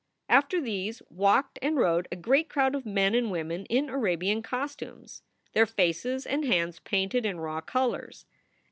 After these walked and rode a great crowd of men and women in Arabian costumes, their faces and hands painted in raw colors.